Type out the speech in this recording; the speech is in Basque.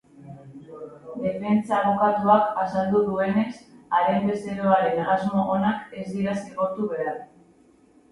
Defentsa abokatuak azaldu duenez, haren bezeroaren asmo onak ez dira zigortu behar.